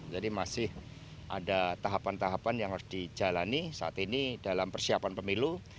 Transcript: jadi masih ada tahapan tahapan yang harus dijalani saat ini dalam persiapan pemilu